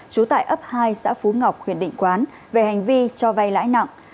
trú tại ấp hai xã phú ngọc huyện định quán về hành vi cho vay lãi nặng